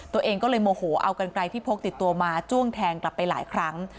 ตัวเองก็เลยโมโหเอากันไกลที่พกติดตัวมาจ้วงแทงกลับไปหลายครั้ง